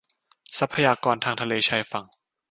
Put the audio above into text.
ทรัพยากรทางทะเลชายฝั่ง